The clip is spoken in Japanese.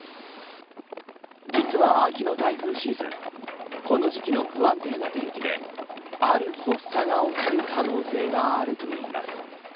実は秋の台風シーズンこの時期の不安定な天気である発作が起きる可能性があるといいます。